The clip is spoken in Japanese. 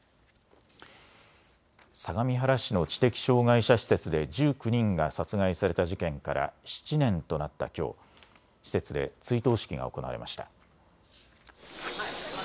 相模原市の知的障害者施設で１９人が殺害された事件から７年となったきょう施設で追悼式が行われました。